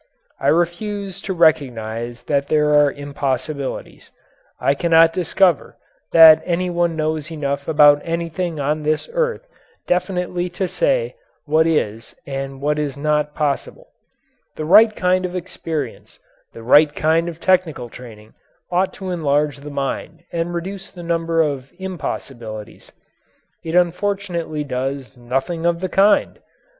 I refuse to recognize that there are impossibilities. I cannot discover that any one knows enough about anything on this earth definitely to say what is and what is not possible. The right kind of experience, the right kind of technical training, ought to enlarge the mind and reduce the number of impossibilities. It unfortunately does nothing of the kind.